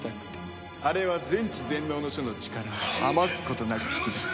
あれは全知全能の書の力を余すことなく引き出す